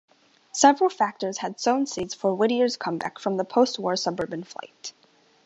Several factors had sown seeds for Whittier's comeback from the post-war suburban flight.